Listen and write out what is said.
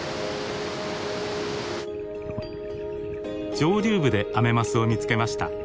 上流部でアメマスを見つけました。